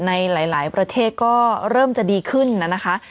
ในหลายประเทศก็เริ่มจะดีขึ้นนะคะ